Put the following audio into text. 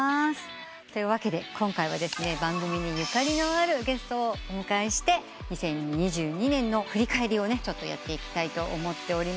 というわけで今回は番組にゆかりのあるゲストをお迎えして２０２２年の振り返りをやっていきたいと思ってます。